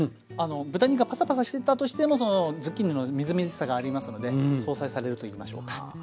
豚肉がパサパサしてたとしてもズッキーニのみずみずしさがありますので相殺されるといいましょうか。